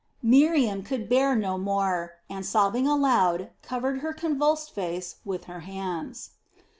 Miriam could bear no more and, sobbing aloud, covered her convulsed face with her hands.